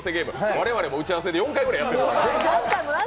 我々も打ち合わせで４回ぐらいやってる。